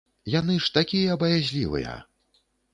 Яны ж такія баязлівыя!